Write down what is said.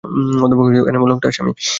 অধ্যাপক এনামুল হক তার স্বামী।